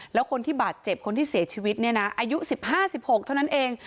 แล้วคนที่บาดเจ็บคนที่เสียชีวิตเนี่ยนะอายุ๑๕๑๖เท่านั้นเอง